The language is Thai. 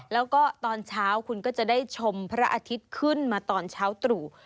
แล้วก็ตอนเช้าคุณก็จะได้ชมพระอาทิตย์ขึ้นมาตอนเช้าตรู่